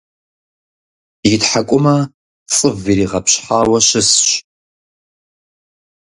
И тхьэкӀумэ цӀыв иригъэпщхьауэ щысщ.